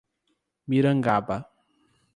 Mirangaba